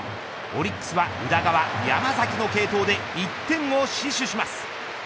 オリックスは宇田川山崎の継投で１点を死守します。